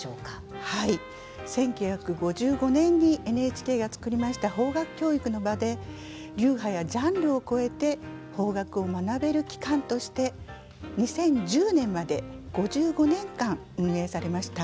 １９５５年にＮＨＫが作りました邦楽教育の場で流派やジャンルを超えて邦楽を学べる機関として２０１０年まで５５年間運営されました。